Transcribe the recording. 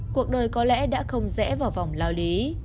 cuộc đời có lẽ đã không rẽ vào vòng lao lý